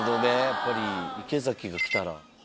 やっぱり池崎が来たら。